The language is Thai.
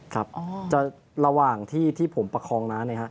ครับระหว่างที่ผมประคองนะ